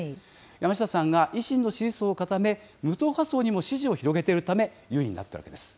山下さんが維新の支持層を固め、無党派層にも支持を広げているため、優位になっているわけです。